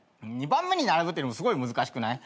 ２番目に並ぶっていうのもすごい難しくない？